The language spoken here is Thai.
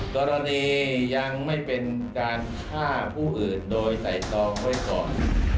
กรณียังไม่เป็นการฆ่าผู้อื่นโดยไตรตองไว้ก่อน